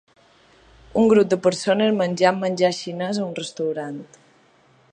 Un grup de persones menjant menjar xinès en un restaurant.